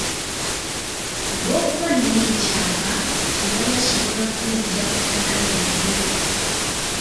Olw'okuba nina ekyapa, tewali asobola kunzigya ku ttaka lyange.